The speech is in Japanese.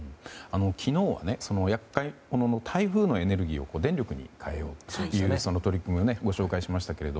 昨日は厄介者の台風のエネルギーを電力に換えようという取り組みをご紹介しましたが。